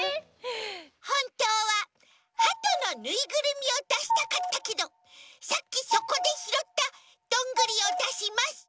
ほんとうはハトのぬいぐるみをだしたかったけどさっきそこでひろったどんぐりをだします！